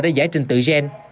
đã giải trình tự gen